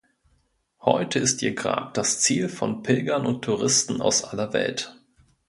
Heute ist ihr Grab das Ziel von Pilgern und Touristen aus aller Welt.